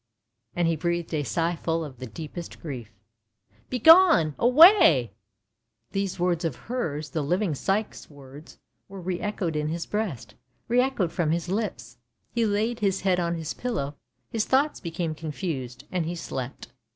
" and he breathed a sigh full of the deepest grief. "Begone! away!" These words of hers — the living Psyche's words — were re echoed in his breast, re echoed from his lips. He laid his head on his pillow; his thoughts became confused, and he slept.